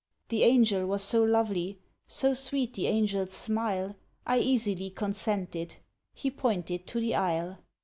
The Angel was so lovely, So sweet the Angel's smile, I easily consented,— He pointed to the Isle!